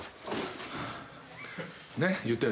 ねっ？